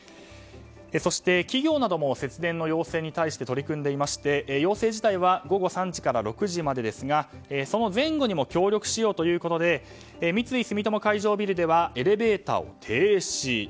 そして、企業なども節電要請に対して取り組んでいまして要請自体は午後３時から６時までですがその前後にも協力しようということで三井住友海上ビルではエレベーターを停止。